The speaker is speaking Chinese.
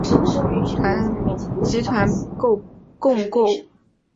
该商场由杨忠礼集团共构。